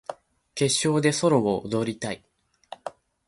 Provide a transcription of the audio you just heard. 決勝でソロを踊りたい